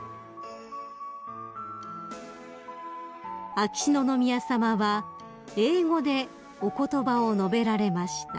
［秋篠宮さまは英語でお言葉を述べられました］